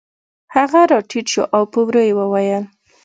هغه راټیټ شو او په ورو یې وویل